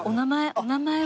お名前は？